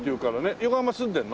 横浜住んでんの？